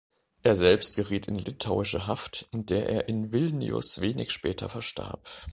Er selbst geriet in litauische Haft, in der er in Vilnius wenig später verstarb.